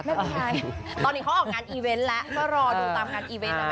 ตอนนี้เขาออกงานอีเวนต์แล้ว